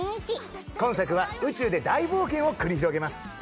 今作は宇宙で大冒険を繰り広げます。